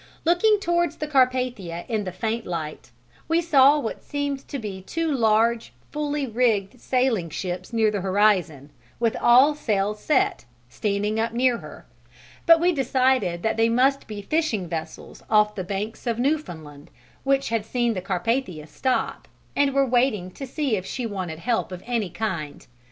Looking towards the Carpathia in the faint light, we saw what seemed to be two large fully rigged sailing ships near the horizon, with all sails set, standing up near her, and we decided that they must be fishing vessels off the Banks of Newfoundland which had seen the Carpathia stop and were waiting to see if she wanted help of any kind.